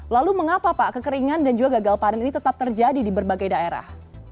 lalu mengapa pak kekeringan dan juga gagal panen ini tetap terjadi di berbagai daerah